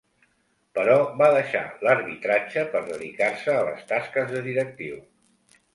Però va deixar l'arbitratge per dedicar-se a les tasques de directiu.